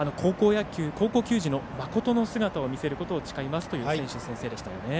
高校球児のまことの姿を見せることを誓いますという選手宣誓でした。